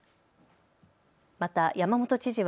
また山本知事は。